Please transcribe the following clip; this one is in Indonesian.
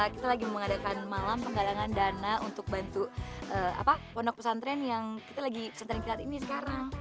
kita lagi mengadakan malam penggalangan dana untuk bantu pondok pesantren yang kita lagi sering kita lihat ini sekarang